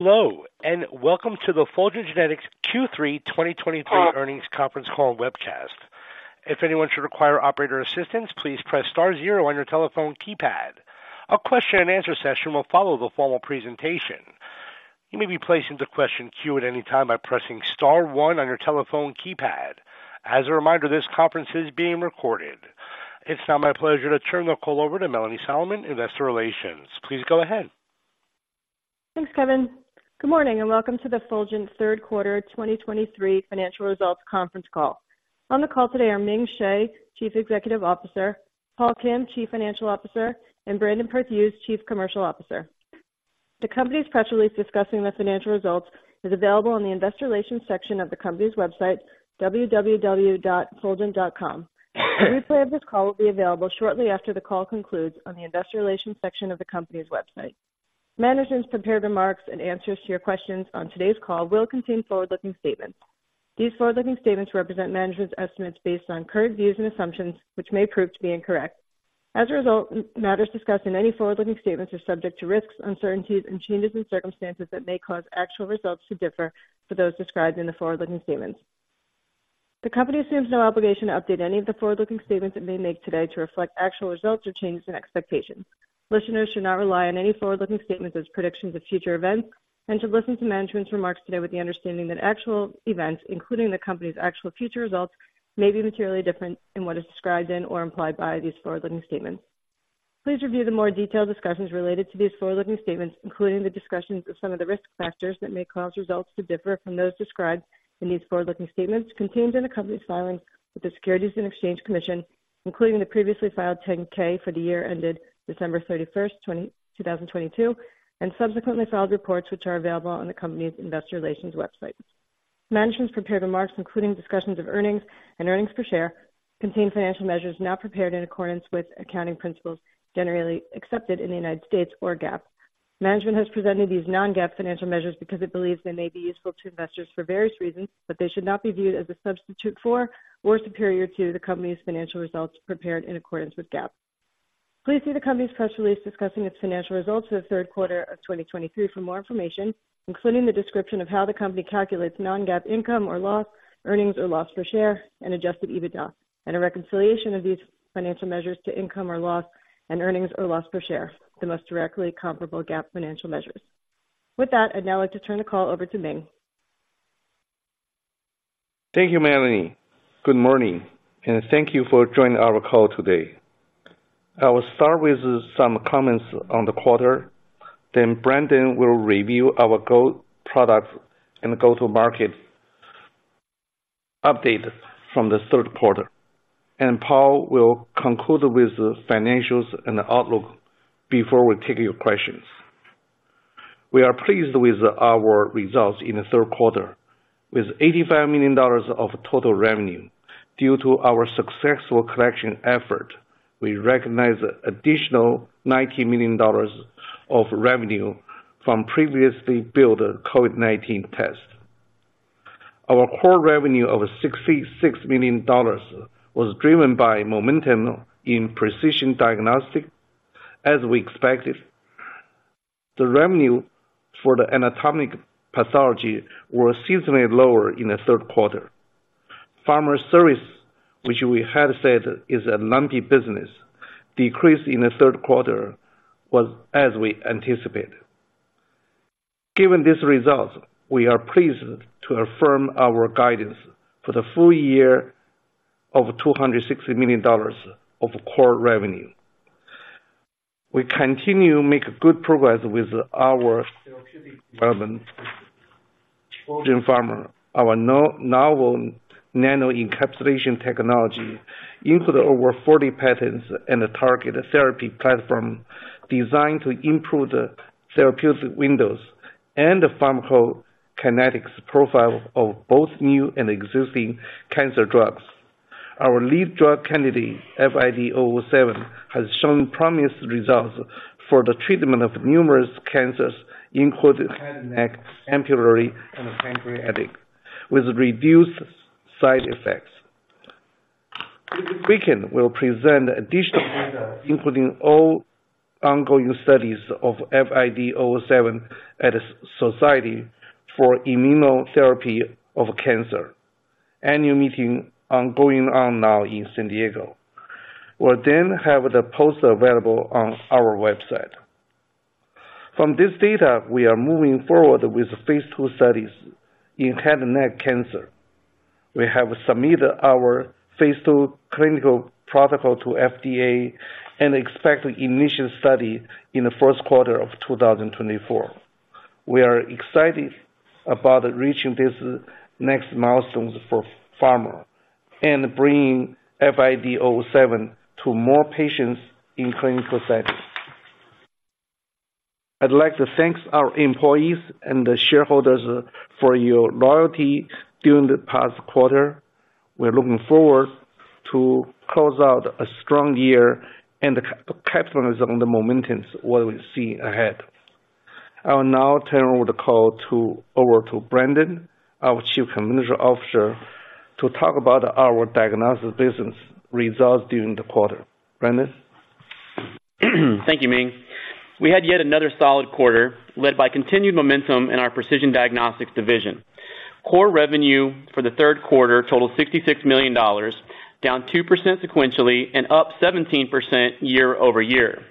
Hello, and welcome to the Fulgent Genetics Q3 2023 earnings conference call and webcast. If anyone should require operator assistance, please press star zero on your telephone keypad. A question and answer session will follow the formal presentation. You may be placed into question queue at any time by pressing star one on your telephone keypad. As a reminder, this conference is being recorded. It's now my pleasure to turn the call over to Melanie Solomon, Investor Relations. Please go ahead. Thanks, Kevin. Good morning, and welcome to the Fulgent third quarter 2023 financial results conference call. On the call today are Ming Hsieh, Chief Executive Officer, Paul Kim, Chief Financial Officer, and Brandon Perthuis, Chief Commercial Officer. The company's press release discussing the financial results is available on the investor relations section of the company's website, www.fulgent.com. A replay of this call will be available shortly after the call concludes on the investor relations section of the company's website. Management's prepared remarks and answers to your questions on today's call will contain forward-looking statements. These forward-looking statements represent management's estimates based on current views and assumptions, which may prove to be incorrect. As a result, matters discussed in any forward-looking statements are subject to risks, uncertainties, and changes in circumstances that may cause actual results to differ from those described in the forward-looking statements. The company assumes no obligation to update any of the forward-looking statements it may make today to reflect actual results or changes in expectations. Listeners should not rely on any forward-looking statements as predictions of future events and should listen to management's remarks today with the understanding that actual events, including the company's actual future results, may be materially different in what is described in or implied by these forward-looking statements. Please review the more detailed discussions related to these forward-looking statements, including the discussions of some of the risk factors that may cause results to differ from those described in these forward-looking statements contained in the company's filings with the Securities and Exchange Commission, including the previously filed 10-K for the year ended December 31st, 2022, and subsequently filed reports, which are available on the company's investor relations website. Management's prepared remarks, including discussions of earnings and earnings per share, contain financial measures not prepared in accordance with accounting principles generally accepted in the United States, or GAAP. Management has presented these non-GAAP financial measures because it believes they may be useful to investors for various reasons, but they should not be viewed as a substitute for or superior to the company's financial results prepared in accordance with GAAP. Please see the company's press release discussing its financial results for the third quarter of 2023 for more information, including the description of how the company calculates non-GAAP income or loss, earnings or loss per share, and adjusted EBITDA. A reconciliation of these financial measures to income or loss and earnings or loss per share, the most directly comparable GAAP financial measures. With that, I'd now like to turn the call over to Ming. Thank you, Melanie. Good morning, and thank you for joining our call today. I will start with some comments on the quarter, then Brandon will review our goal, products, and go-to-market update from the third quarter, and Paul will conclude with the financials and outlook before we take your questions. We are pleased with our results in the third quarter with $85 million of total revenue. Due to our successful collection effort, we recognized additional $90 million of revenue from previously billed COVID-19 tests. Our core revenue of $66 million was driven by momentum in precision diagnostic. As we expected, the revenue for the anatomic pathology were seasonally lower in the third quarter. Pharma service, which we had said is a lumpy business, decreased in the third quarter was as we anticipated. Given these results, we are pleased to affirm our guidance for the full year of $260 million of core revenue. We continue to make good progress with our Fulgent Pharma, our novel nano-encapsulation technology, including over 40 patents and a targeted therapy platform designed to improve the therapeutic windows and the pharmacokinetics profile of both new and existing cancer drugs. Our lead drug candidate, FID-007, has shown promising results for the treatment of numerous cancers, including head and neck, ampullary, and pancreatic, with reduced side effects. This weekend, we'll present additional data, including all ongoing studies of FID-007 at a Society for Immunotherapy of Cancer annual meeting going on now in San Diego. We'll then have the post available on our website. From this data, we are moving forward with phase II studies in head and neck cancer. We have submitted our phase II clinical protocol to FDA and expect initial study in the first quarter of 2024. We are excited about reaching this next milestones for Pharma and bringing FID-007 to more patients in clinical settings. I'd like to thank our employees and the shareholders for your loyalty during the past quarter. We're looking forward to close out a strong year and capitalize on the momentum, what we see ahead. I will now turn the call over to Brandon, our Chief Commercial Officer, to talk about our diagnostic business results during the quarter. Brandon? Thank you, Ming. We had yet another solid quarter, led by continued momentum in our precision diagnostics division. Core revenue for the third quarter totaled $66 million, down 2% sequentially and up 17% year-over-year.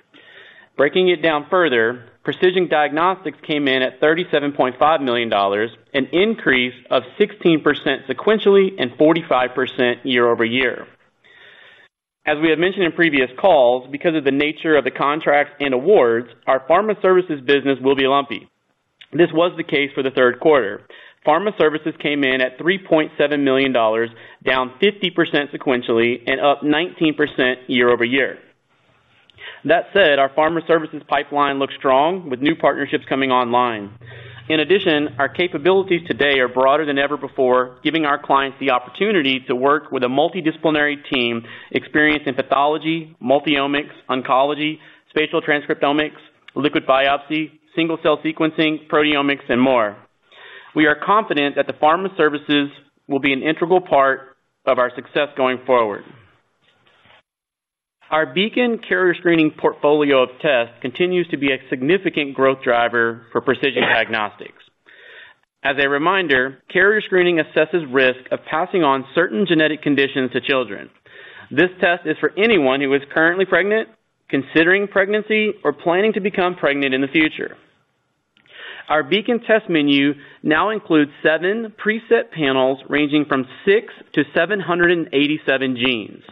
Breaking it down further, precision diagnostics came in at $37.5 million, an increase of 16% sequentially and 45% year-over-year. As we have mentioned in previous calls, because of the nature of the contracts and awards, our pharma services business will be lumpy. This was the case for the third quarter. Pharma services came in at $3.7 million, down 50% sequentially and up 19% year-over-year. That said, our pharma services pipeline looks strong, with new partnerships coming online. In addition, our capabilities today are broader than ever before, giving our clients the opportunity to work with a multidisciplinary team experienced in pathology, multi-omics, oncology, spatial transcriptomics, liquid biopsy, single-cell sequencing, proteomics, and more. We are confident that the pharma services will be an integral part of our success going forward. Our Beacon Carrier Screening portfolio of tests continues to be a significant growth driver for precision diagnostics. As a reminder, carrier screening assesses risk of passing on certain genetic conditions to children. This test is for anyone who is currently pregnant, considering pregnancy, or planning to become pregnant in the future. Our Beacon test menu now includes seven preset panels, ranging from 6 genes-787 genes.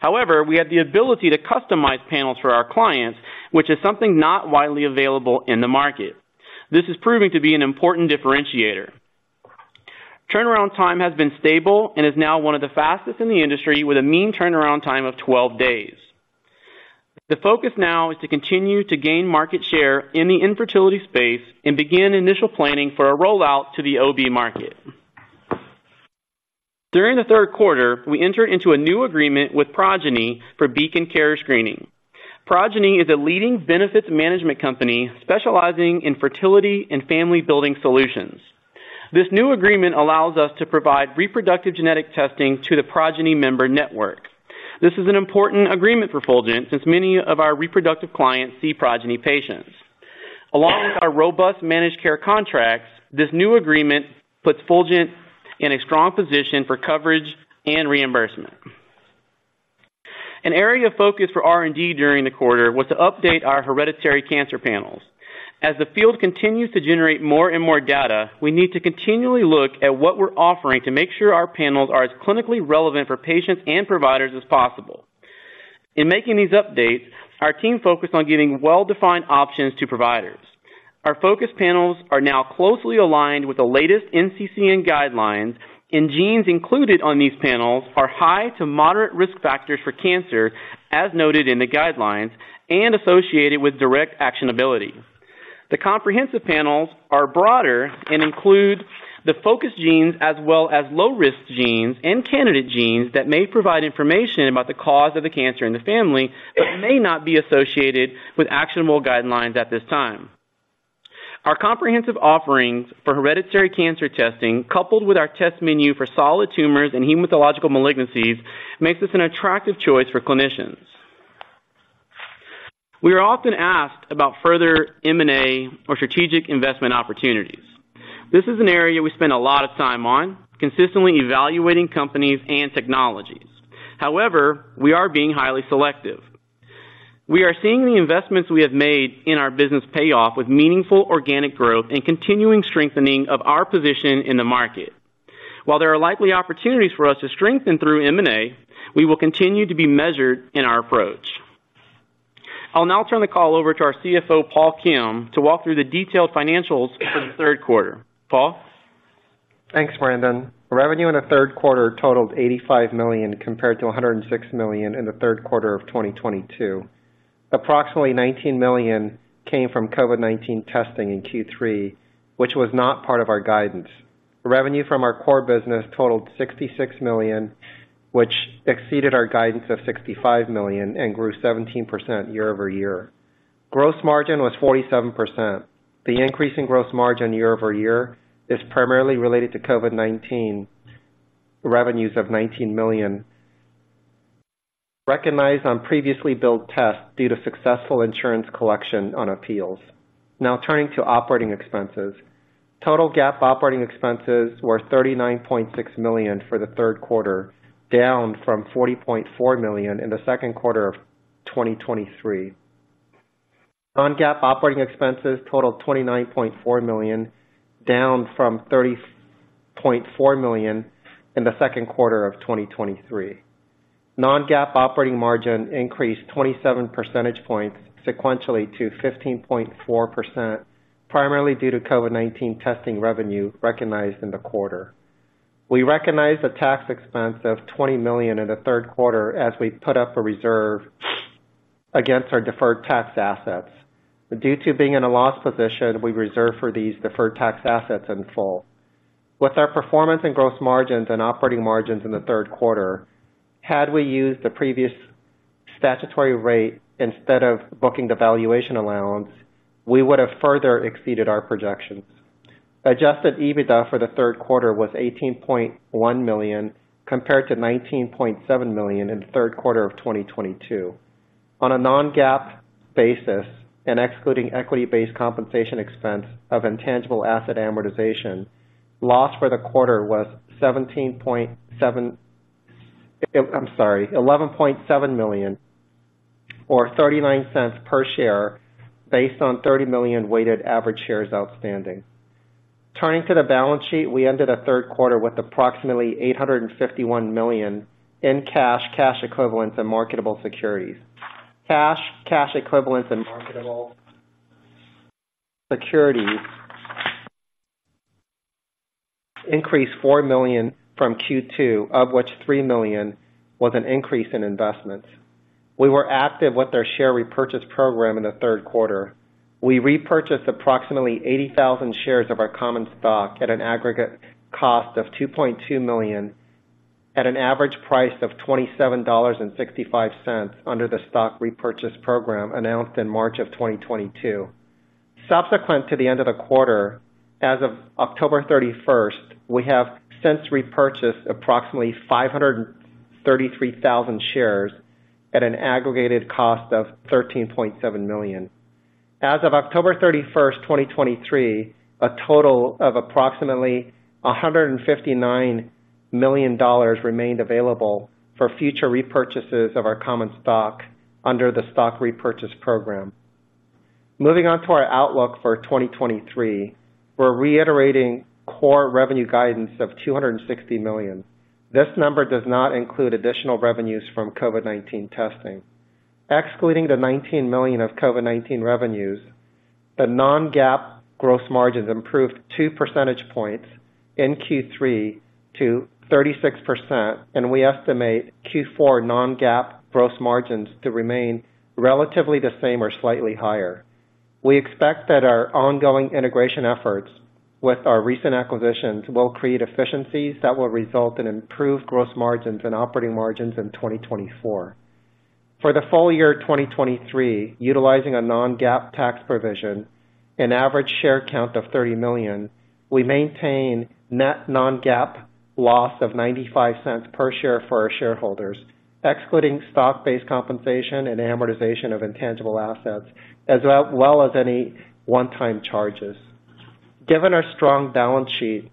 However, we have the ability to customize panels for our clients, which is something not widely available in the market. This is proving to be an important differentiator. Turnaround time has been stable and is now one of the fastest in the industry, with a mean turnaround time of 12 days. The focus now is to continue to gain market share in the infertility space and begin initial planning for a rollout to the OB market. During the third quarter, we entered into a new agreement with Progyny for Beacon Carrier Screening. Progyny is a leading benefits management company specializing in fertility and family-building solutions. This new agreement allows us to provide reproductive genetic testing to the Progyny member network. This is an important agreement for Fulgent, since many of our reproductive clients see Progyny patients. Along with our robust managed care contracts, this new agreement puts Fulgent in a strong position for coverage and reimbursement. An area of focus for R&D during the quarter was to update our hereditary cancer panels. As the field continues to generate more and more data, we need to continually look at what we're offering to make sure our panels are as clinically relevant for patients and providers as possible. In making these updates, our team focused on giving well-defined options to providers. Our focus panels are now closely aligned with the latest NCCN Guidelines, and genes included on these panels are high to moderate risk factors for cancer, as noted in the guidelines, and associated with direct actionability. The comprehensive panels are broader and include the focus genes as well as low-risk genes and candidate genes that may provide information about the cause of the cancer in the family, but may not be associated with actionable guidelines at this time. Our comprehensive offerings for hereditary cancer testing, coupled with our test menu for solid tumors and hematological malignancies, makes us an attractive choice for clinicians. We are often asked about further M&A or strategic investment opportunities. This is an area we spend a lot of time on, consistently evaluating companies and technologies. However, we are being highly selective. We are seeing the investments we have made in our business pay off with meaningful organic growth and continuing strengthening of our position in the market. While there are likely opportunities for us to strengthen through M&A, we will continue to be measured in our approach. I'll now turn the call over to our CFO, Paul Kim, to walk through the detailed financials for the third quarter. Paul? Thanks, Brandon. Revenue in the third quarter totaled $85 million, compared to $106 million in the third quarter of 2022. Approximately $19 million came from COVID-19 testing in Q3, which was not part of our guidance. Revenue from our core business totaled $66 million, which exceeded our guidance of $65 million and grew 17% year-over-year. Gross margin was 47%. The increase in gross margin year-over-year is primarily related to COVID-19 revenues of $19 million, recognized on previously billed tests due to successful insurance collection on appeals. Now turning to operating expenses. Total GAAP operating expenses were $39.6 million for the third quarter, down from $40.4 million in the second quarter of 2023. Non-GAAP operating expenses totaled $29.4 million, down from $30.4 million in the second quarter of 2023. Non-GAAP operating margin increased 27 percentage points sequentially to 15.4%, primarily due to COVID-19 testing revenue recognized in the quarter. We recognized a tax expense of $20 million in the third quarter as we put up a reserve against our deferred tax assets. Due to being in a loss position, we reserved for these deferred tax assets in full. With our performance and gross margins and operating margins in the third quarter, had we used the previous statutory rate instead of booking the valuation allowance, we would have further exceeded our projections. Adjusted EBITDA for the third quarter was $18.1 million, compared to $19.7 million in the third quarter of 2022. On a non-GAAP basis, and excluding equity-based compensation expense and intangible asset amortization, loss for the quarter was $17.7—I'm sorry, $11.7 million, or $0.39 per share, based on 30 million weighted average shares outstanding. Turning to the balance sheet, we ended the third quarter with approximately $851 million in cash, cash equivalents, and marketable securities. Cash, cash equivalents, and marketable securities increased $4 million from Q2, of which $3 million was an increase in investments. We were active with our share repurchase program in the third quarter. We repurchased approximately 80,000 shares of our common stock at an aggregate cost of $2.2 million, at an average price of $27.65 under the stock repurchase program announced in March of 2022. Subsequent to the end of the quarter, as of October 31, we have since repurchased approximately 533,000 shares at an aggregated cost of $13.7 million. As of October 31, 2023, a total of approximately $159 million remained available for future repurchases of our common stock under the stock repurchase program. Moving on to our outlook for 2023, we're reiterating core revenue guidance of $260 million. This number does not include additional revenues from COVID-19 testing. Excluding the $19 million of COVID-19 revenues, the non-GAAP gross margins improved two percentage points in Q3 to 36%, and we estimate Q4 non-GAAP gross margins to remain relatively the same or slightly higher. We expect that our ongoing integration efforts with our recent acquisitions will create efficiencies that will result in improved gross margins and operating margins in 2024. For the full year of 2023, utilizing a non-GAAP tax provision, an average share count of 30 million, we maintain net non-GAAP loss of $0.95 per share for our shareholders, excluding stock-based compensation and amortization of intangible assets, as well as any one-time charges. Given our strong balance sheet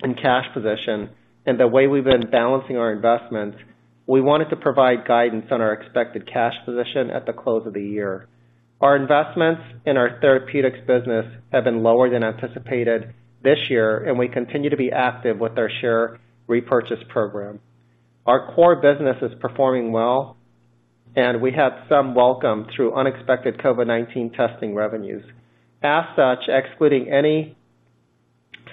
and cash position and the way we've been balancing our investments, we wanted to provide guidance on our expected cash position at the close of the year. Our investments in our therapeutics business have been lower than anticipated this year, and we continue to be active with our share repurchase program. Our core business is performing well, and we had some welcome, though unexpected COVID-19 testing revenues. As such, excluding any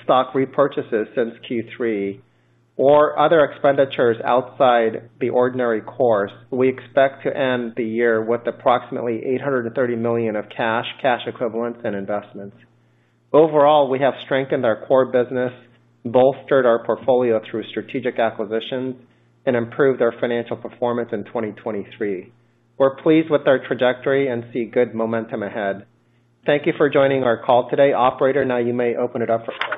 stock repurchases since Q3 or other expenditures outside the ordinary course, we expect to end the year with approximately $830 million of cash, cash equivalents, and investments. Overall, we have strengthened our core business, bolstered our portfolio through strategic acquisitions, and improved our financial performance in 2023. We're pleased with our trajectory and see good momentum ahead. Thank you for joining our call today. Operator, now you may open it up for questions.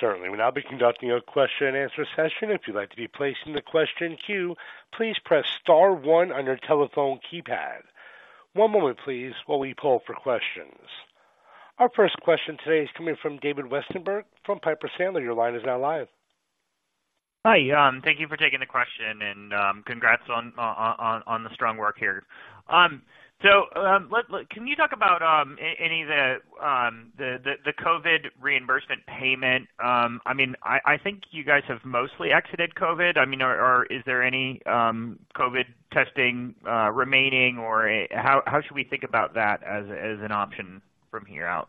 Certainly. We'll now be conducting a question-and-answer session. If you'd like to be placed in the question queue, please press star one on your telephone keypad. One moment, please, while we pull for questions. Our first question today is coming from David Westenberg from Piper Sandler. Your line is now live. Hi, thank you for taking the question, and congrats on the strong work here. So, look, can you talk about any of the COVID reimbursement payment? I mean, I think you guys have mostly exited COVID. I mean, or is there any COVID testing remaining, or how should we think about that as an option from here out?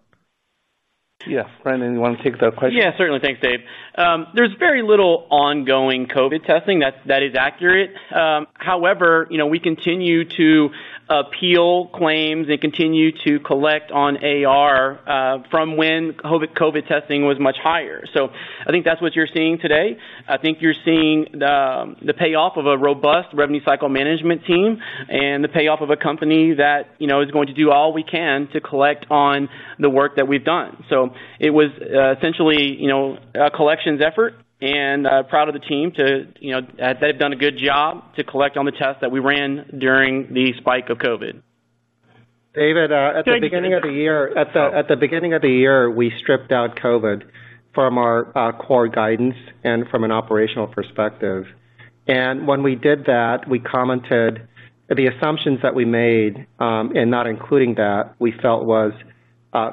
Yes. Brandon, you want to take that question? Yeah, certainly. Thanks, Dave. There's very little ongoing COVID testing. That is accurate. However, you know, we continue to appeal claims and continue to collect on AR from when COVID testing was much higher. So I think that's what you're seeing today. I think you're seeing the payoff of a robust revenue cycle management team and the payoff of a company that, you know, is going to do all we can to collect on the work that we've done. So it was essentially, you know, a collections effort and proud of the team to, you know, they've done a good job to collect on the tests that we ran during the spike of COVID. David, uh- Thank you. At the beginning of the year, we stripped out COVID from our core guidance and from an operational perspective. And when we did that, we commented the assumptions that we made, and not including that, we felt was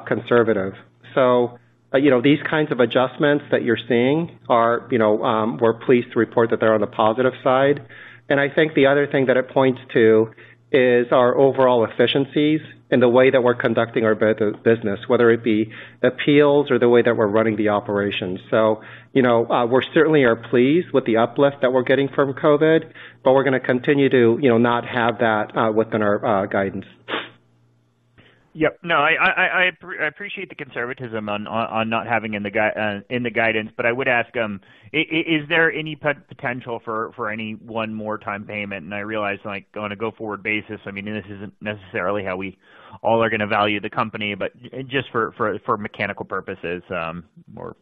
conservative. So, you know, these kinds of adjustments that you're seeing are, you know, we're pleased to report that they're on the positive side. And I think the other thing that it points to is our overall efficiencies and the way that we're conducting our business, whether it be appeals or the way that we're running the operations. So, you know, we're certainly pleased with the uplift that we're getting from COVID, but we're going to continue to, you know, not have that within our guidance. Yep. No, I appreciate the conservatism on not having in the guidance, but I would ask, is there any potential for any one more time payment? And I realize, like, on a go-forward basis, I mean, this isn't necessarily how we all are going to value the company, but just for mechanical purposes, or....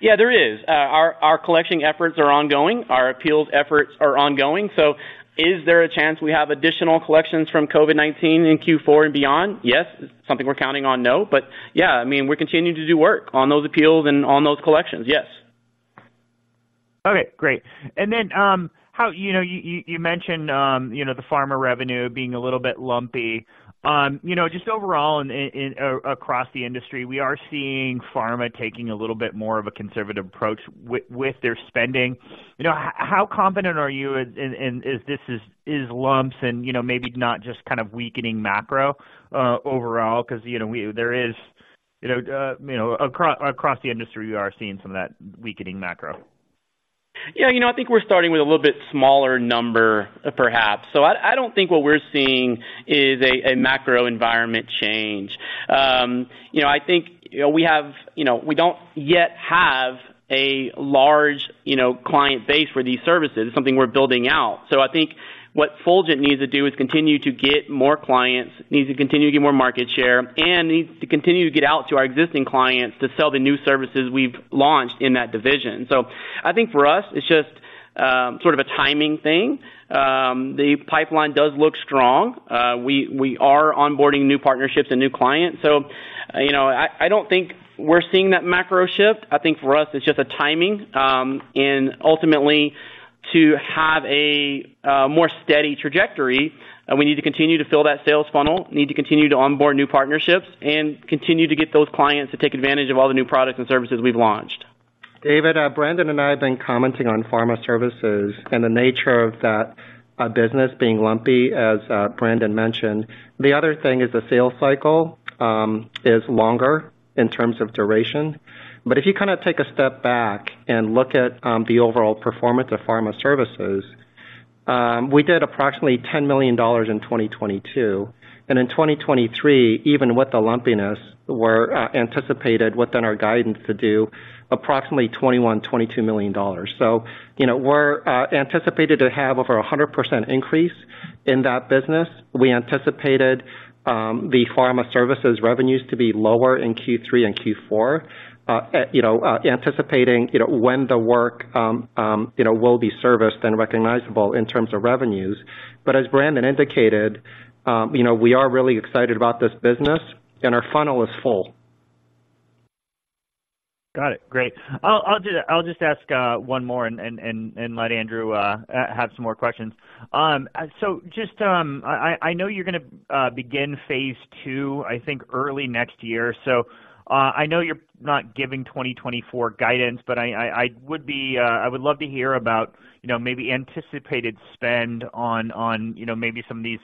Yeah, there is. Our collection efforts are ongoing, our appeals efforts are ongoing. So is there a chance we have additional collections from COVID-19 in Q4 and beyond? Yes. Something we're counting on? No. But yeah, I mean, we're continuing to do work on those appeals and on those collections. Yes. Okay, great. And then, how, you know, you mentioned, you know, the Pharma revenue being a little bit lumpy. You know, just overall in across the industry, we are seeing Pharma taking a little bit more of a conservative approach with their spending. You know, how confident are you in if this is lumps and, you know, maybe not just kind of weakening macro overall? 'Cause, you know, there is, you know, across the industry, we are seeing some of that weakening macro. Yeah, you know, I think we're starting with a little bit smaller number, perhaps. So I don't think what we're seeing is a macro environment change. You know, I think, you know, we have, you know, we don't yet have a large, you know, client base for these services, something we're building out. So I think what Fulgent needs to do is continue to get more clients, needs to continue to get more market share, and needs to continue to get out to our existing clients to sell the new services we've launched in that division. So I think for us, it's just sort of a timing thing. The pipeline does look strong. We are onboarding new partnerships and new clients. So, you know, I don't think we're seeing that macro shift. I think for us, it's just a timing, and ultimately to have a more steady trajectory, we need to continue to fill that sales funnel, need to continue to onboard new partnerships, and continue to get those clients to take advantage of all the new products and services we've launched. David, Brandon and I have been commenting on pharma services and the nature of that, business being lumpy, as, Brandon mentioned. The other thing is the sales cycle, is longer in terms of duration. But if you kind of take a step back and look at, the overall performance of pharma services, we did approximately $10 million in 2022. And in 2023, even with the lumpiness, we're, anticipated within our guidance to do approximately $21 million-$22 million. So, you know, we're, anticipated to have over 100% increase in that business. We anticipated, the pharma services revenues to be lower in Q3 and Q4, you know, anticipating, you know, when the work, you know, will be serviced and recognizable in terms of revenues. But as Brandon indicated, you know, we are really excited about this business, and our funnel is full. Got it. Great. I'll just ask one more and let Andrew have some more questions. So just, I know you're gonna begin phase II, I think, early next year. So, I know you're not giving 2024 guidance, but I would be... I would love to hear about, you know, maybe anticipated spend on, you know, maybe some of these-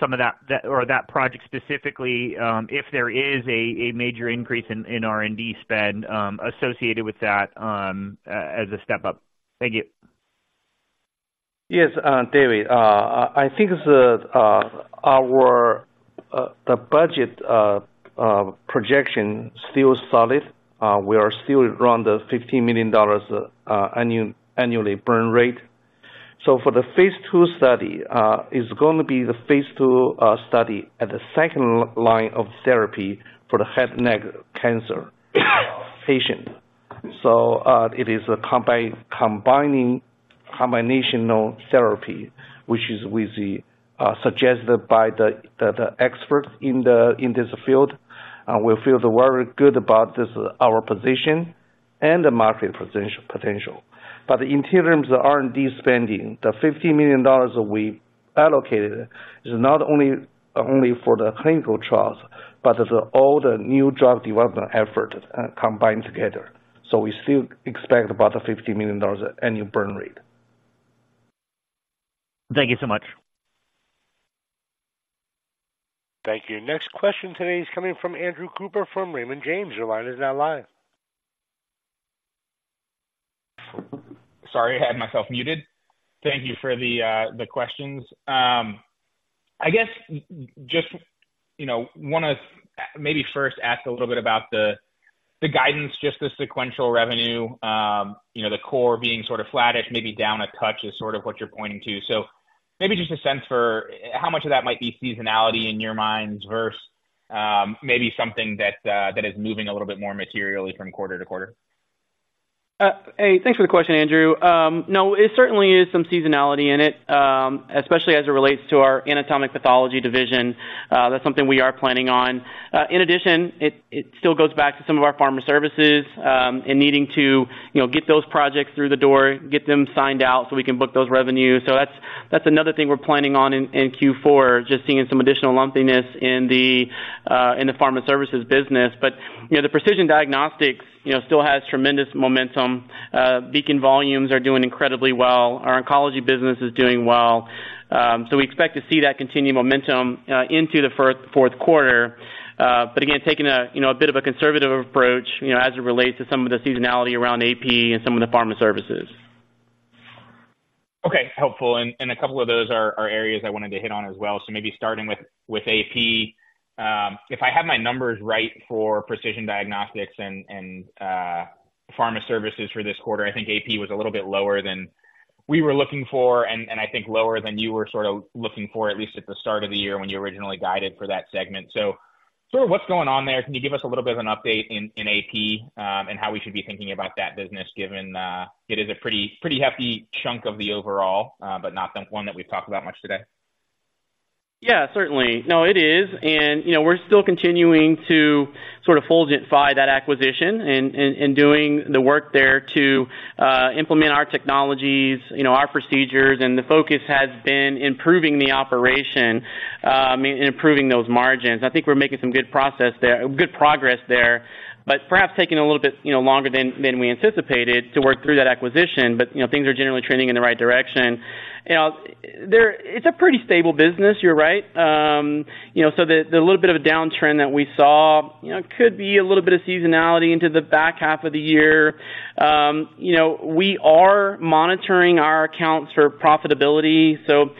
some of that, that or that project specifically, if there is a major increase in R&D spend, associated with that, as a step-up. Thank you. Yes, David, I think our budget projection is still solid. We are still around the $15 million annual burn rate. So for the phase II study is gonna be the phase II study at the second-line of therapy for the head and neck cancer patient. So, it is a combinational therapy, which is suggested by the experts in this field. And we feel very good about this, our position and the market potential. But the interim R&D spending, the $15 million that we allocated is not only for the clinical trials, but all the new drug development effort combined together. So we still expect about a $15 million annual burn rate. Thank you so much. Thank you. Next question today is coming from Andrew Cooper, from Raymond James. Your line is now live. Sorry, I had myself muted. Thank you for the, the questions. I guess just, you know, wanna maybe first ask a little bit about the, the guidance, just the sequential revenue, you know, the core being sort of flattish, maybe down a touch is sort of what you're pointing to. So maybe just a sense for how much of that might be seasonality in your minds versus, maybe something that, that is moving a little bit more materially from quarter-to-quarter. Hey, thanks for the question, Andrew. No, it certainly is some seasonality in it, especially as it relates to our anatomic pathology division. That's something we are planning on. In addition, it still goes back to some of our pharma services, and needing to, you know, get those projects through the door, get them signed out so we can book those revenues. So that's another thing we're planning on in Q4, just seeing some additional lumpiness in the pharma services business. But, you know, the precision diagnostics still has tremendous momentum. Beacon volumes are doing incredibly well. Our oncology business is doing well. So we expect to see that continued momentum into the fourth quarter. But again, taking a, you know, a bit of a conservative approach, you know, as it relates to some of the seasonality around AP and some of the pharma services. Okay, helpful. And a couple of those are areas I wanted to hit on as well. So maybe starting with AP, if I have my numbers right for precision diagnostics and pharma services for this quarter, I think AP was a little bit lower than... we were looking for, and I think lower than you were sort of looking for, at least at the start of the year when you originally guided for that segment. So sort of what's going on there? Can you give us a little bit of an update in AP, and how we should be thinking about that business, given it is a pretty, pretty hefty chunk of the overall, but not the one that we've talked about much today. Yeah, certainly. No, it is, and, you know, we're still continuing to sort of Fulgent-fy that acquisition and, and doing the work there to implement our technologies, you know, our procedures, and the focus has been improving the operation, and improving those margins. I think we're making some good process there—good progress there, but perhaps taking a little bit, you know, longer than we anticipated to work through that acquisition. But, you know, things are generally trending in the right direction. You know, there—it's a pretty stable business, you're right. You know, so the little bit of a downtrend that we saw, you know, could be a little bit of seasonality into the back half of the year. You know, we are monitoring our accounts for profitability, so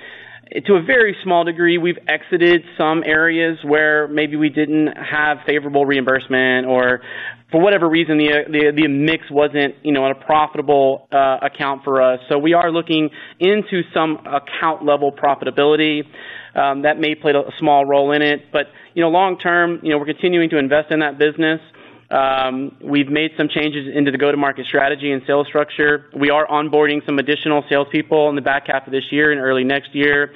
to a very small degree, we've exited some areas where maybe we didn't have favorable reimbursement or for whatever reason, the mix wasn't, you know, in a profitable account for us. So we are looking into some account-level profitability that may play a small role in it, but, you know, long term, you know, we're continuing to invest in that business. We've made some changes into the go-to-market strategy and sales structure. We are onboarding some additional salespeople in the back half of this year and early next year.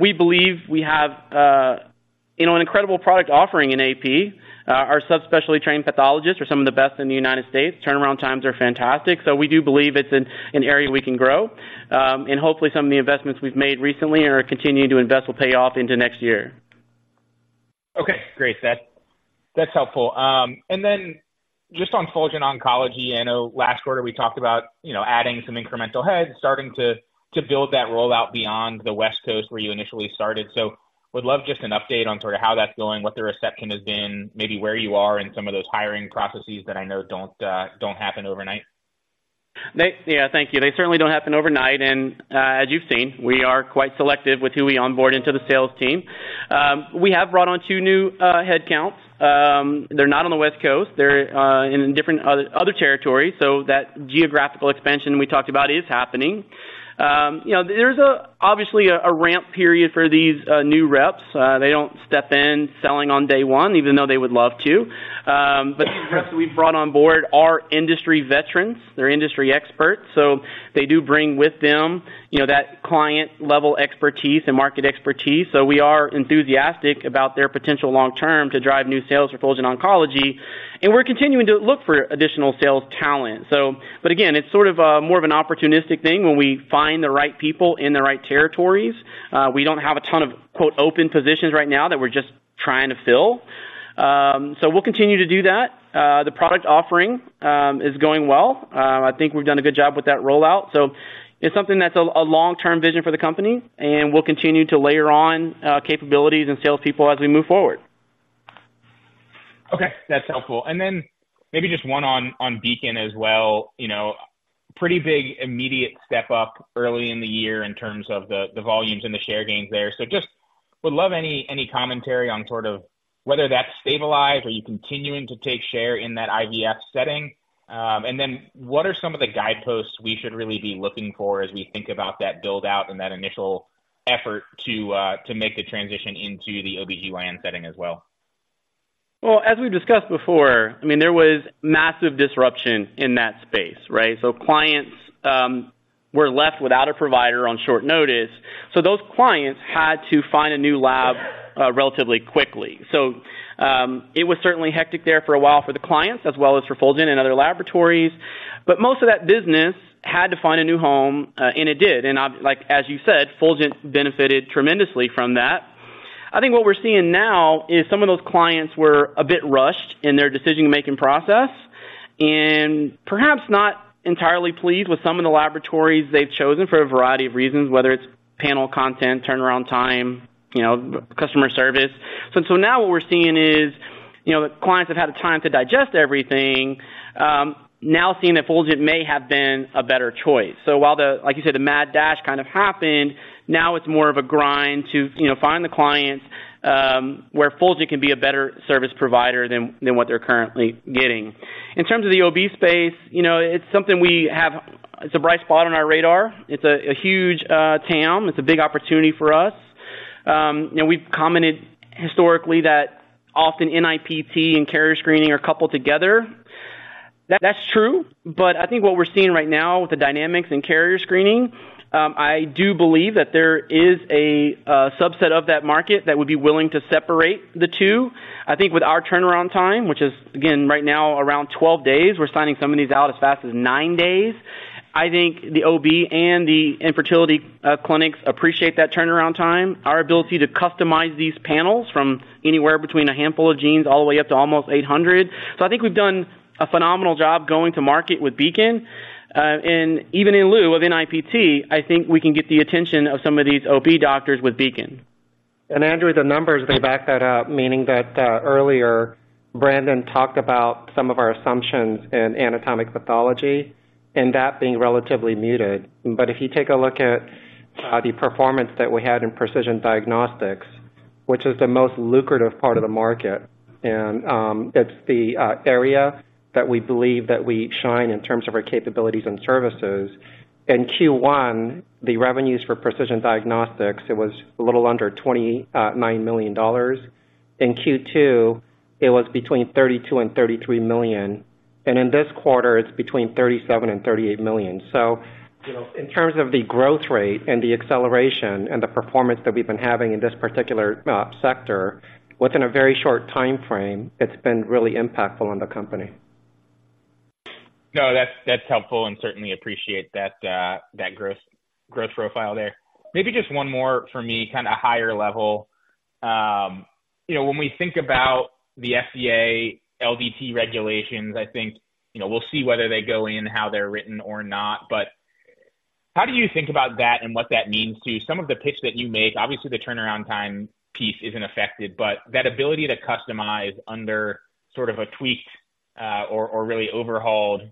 We believe we have, you know, an incredible product offering in AP. Our subspecialty trained pathologists are some of the best in the United States. Turnaround times are fantastic, so we do believe it's an area we can grow. Hopefully some of the investments we've made recently and are continuing to invest will pay off into next year. Okay, great. That's helpful. And then just on Fulgent Oncology, I know last quarter we talked about, you know, adding some incremental heads, starting to build that rollout beyond the West Coast, where you initially started. So would love just an update on sort of how that's going, what the reception has been, maybe where you are in some of those hiring processes that I know don't don't happen overnight. Yeah, thank you. They certainly don't happen overnight, and, as you've seen, we are quite selective with who we onboard into the sales team. We have brought on two new headcounts. They're not on the West Coast. They're in different other territories, so that geographical expansion we talked about is happening. You know, there's obviously a ramp period for these new reps. They don't step in selling on day one, even though they would love to. But the reps we've brought on board are industry veterans. They're industry experts, so they do bring with them, you know, that client-level expertise and market expertise. So we are enthusiastic about their potential long term to drive new sales for Fulgent Oncology, and we're continuing to look for additional sales talent. So... But again, it's sort of more of an opportunistic thing when we find the right people in the right territories. We don't have a ton of "open positions" right now that we're just trying to fill. So we'll continue to do that. The product offering is going well. I think we've done a good job with that rollout. So it's something that's a long-term vision for the company, and we'll continue to layer on capabilities and salespeople as we move forward. Okay, that's helpful. And then maybe just one on, on Beacon as well. You know, pretty big immediate step up early in the year in terms of the, the volumes and the share gains there. So just would love any, any commentary on sort of whether that's stabilized. Are you continuing to take share in that IVF setting? And then what are some of the guideposts we should really be looking for as we think about that build-out and that initial effort to, to make the transition into the OBGYN setting as well? Well, as we've discussed before, I mean, there was massive disruption in that space, right? So clients were left without a provider on short notice, so those clients had to find a new lab relatively quickly. So it was certainly hectic there for a while for the clients, as well as for Fulgent and other laboratories. But most of that business had to find a new home, and it did. And like, as you said, Fulgent benefited tremendously from that. I think what we're seeing now is some of those clients were a bit rushed in their decision-making process and perhaps not entirely pleased with some of the laboratories they've chosen for a variety of reasons, whether it's panel content, turnaround time, you know, customer service. So, so now what we're seeing is, you know, the clients have had the time to digest everything, now seeing that Fulgent may have been a better choice. So while the, like you said, the mad dash kind of happened, now it's more of a grind to, you know, find the clients, where Fulgent can be a better service provider than, than what they're currently getting. In terms of the OB space, you know, it's something we have... It's a bright spot on our radar. It's a huge TAM. It's a big opportunity for us. You know, we've commented historically that often NIPT and carrier screening are coupled together. That's true, but I think what we're seeing right now with the dynamics in carrier screening, I do believe that there is a subset of that market that would be willing to separate the two. I think with our turnaround time, which is, again, right now around 12 days, we're signing some of these out as fast as nine days. I think the OB and the infertility clinics appreciate that turnaround time, our ability to customize these panels from anywhere between a handful of genes all the way up to almost 800. So I think we've done a phenomenal job going to market with Beacon. And even in lieu of NIPT, I think we can get the attention of some of these OB doctors with Beacon. And Andrew, the numbers, they back that up, meaning that, earlier, Brandon talked about some of our assumptions in anatomic pathology and that being relatively muted. But if you take a look at, the performance that we had in precision diagnostics which is the most lucrative part of the market, and, it's the, area that we believe that we shine in terms of our capabilities and services. In Q1, the revenues for precision diagnostics, it was a little under $29 million. In Q2, it was between $32 million and $33 million, and in this quarter, it's between $37 million and $38 million. So, you know, in terms of the growth rate and the acceleration and the performance that we've been having in this particular, sector, within a very short time frame, it's been really impactful on the company. No, that's, that's helpful and certainly appreciate that, that growth profile there. Maybe just one more for me, kind of higher level. You know, when we think about the FDA LDT regulations, I think, you know, we'll see whether they go in, how they're written or not, but how do you think about that and what that means to you? Some of the pitch that you make, obviously, the turnaround time piece isn't affected, but that ability to customize under sort of a tweaked, or really overhauled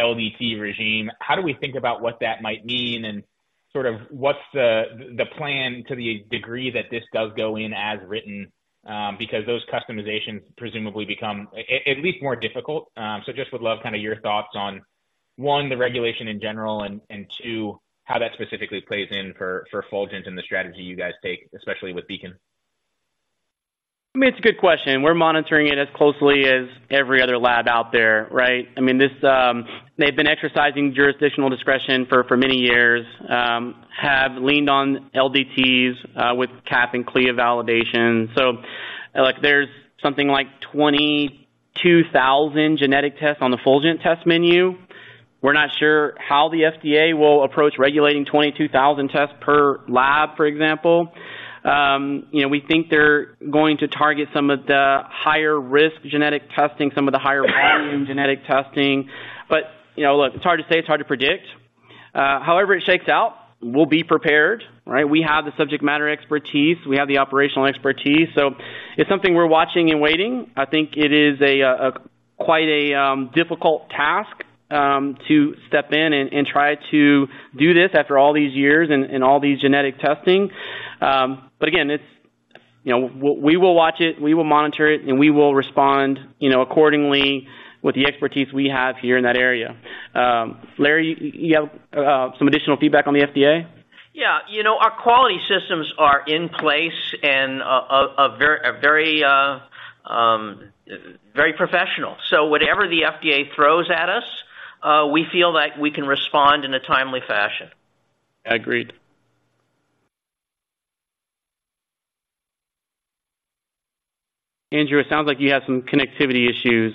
LDT regime, how do we think about what that might mean? And sort of what's the plan to the degree that this does go in as written, because those customizations presumably become a- at least more difficult. So, just would love kind of your thoughts on, one, the regulation in general, and two, how that specifically plays in for Fulgent and the strategy you guys take, especially with Beacon. I mean, it's a good question. We're monitoring it as closely as every other lab out there, right? I mean, this, they've been exercising jurisdictional discretion for, for many years, have leaned on LDTs, with CAP and CLIA validation. So, like, there's something like 22,000 genetic tests on the Fulgent test menu. We're not sure how the FDA will approach regulating 22,000 tests per lab, for example. You know, we think they're going to target some of the higher risk genetic testing, some of the higher volume genetic testing. But, you know, look, it's hard to say, it's hard to predict. However, it shakes out, we'll be prepared, right? We have the subject matter expertise. We have the operational expertise, so it's something we're watching and waiting. I think it is a quite difficult task to step in and try to do this after all these years and all these genetic testing. But again, it's, you know, we will watch it, we will monitor it, and we will respond, you know, accordingly with the expertise we have here in that area. Larry, you have some additional feedback on the FDA? Yeah. You know, our quality systems are in place and are very professional. So whatever the FDA throws at us, we feel like we can respond in a timely fashion. Agreed. Andrew, it sounds like you have some connectivity issues.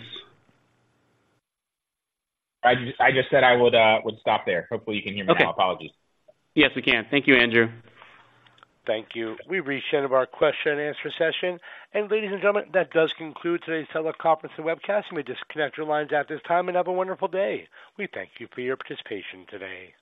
I just said I would stop there. Hopefully, you can hear me now. Okay. Apologies. Yes, we can. Thank you, Andrew. Thank you. We've reached the end of our question and answer session. Ladies and gentlemen, that does conclude today's teleconference and webcast. You may disconnect your lines at this time and have a wonderful day. We thank you for your participation today.